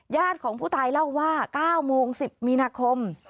ของผู้ตายเล่าว่า๙โมง๑๐มีนาคม